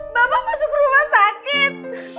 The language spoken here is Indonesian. bapak masuk rumah sakit